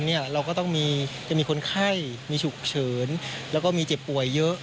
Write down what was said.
เราก็ต้องจะมีคนไข้มีฉุกเฉินแล้วก็มีเจ็บป่วยเยอะ